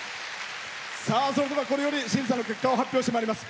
これより審査の結果を発表してまいります。